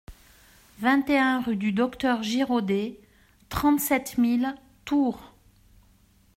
vingt et un rue du Docteur Giraudet, trente-sept mille Tours